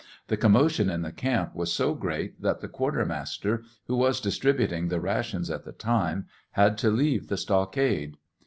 The commotion in the camp was so great that the quartermaster, who was distributing the rations at the time, had to leave the stockade.